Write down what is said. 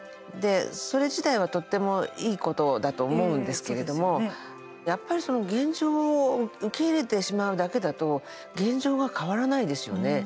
それ自体は、とてもいいことだと思うんですけれどもやっぱり現状を受け入れてしまうだけだと現状が変わらないですよね。